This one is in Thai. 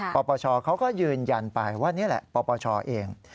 ปปชเขาก็ยืนยันไปว่านี่แหละปปชเอง